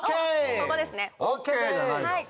ここですね。